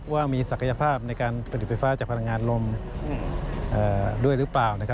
ว่ามีศักยภาพในการผลิตไฟฟ้าจากพลังงานลมด้วยหรือเปล่า